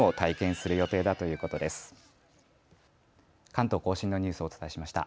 関東甲信のニュースをお伝えしました。